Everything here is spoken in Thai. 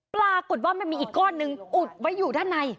ปรากฏว่ามันมีอีกก้อนหนึ่งอุดไว้อยู่ด้านใน